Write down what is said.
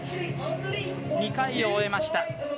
２回を終えました。